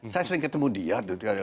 saya sering ketemu dia dua ribu empat belas